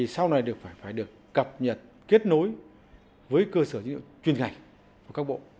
sau này được phải được cập nhật kết nối với cơ sở dữ liệu chuyên ngành của các bộ